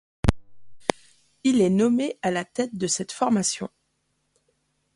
Il est nommé à la tête de cette formation.